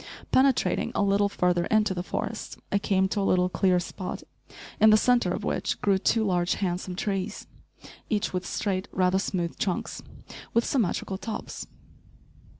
Penetrating a little further into the forest, I came to a little clear spot, in the centre of which grew two large, handsome trees, each with straight, rather smooth trunks, with symmetrical tops.